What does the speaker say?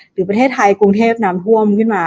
หรือประเทศไทยกรุงเทพน้ำท่วมขึ้นมา